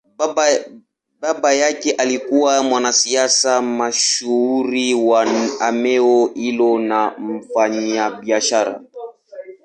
Baba yake alikuwa mwanasiasa mashuhuri wa eneo hilo na mfanyabiashara.